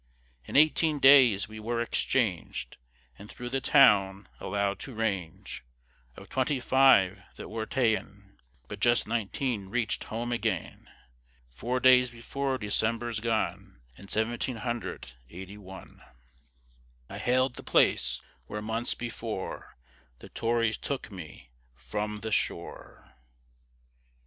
In eighteen days we were exchang'd, And through the town allowed to range; Of twenty five that were ta'en, But just nineteen reach'd home again. Four days before December's gone, In seventeen hundred eighty one, I hail'd the place where months before, The Tories took me from the shore.